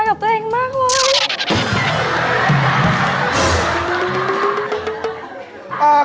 กับวูย